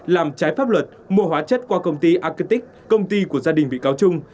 làm trái pháp luật mua hóa chất qua công ty argentic công ty của gia đình bị cáo trung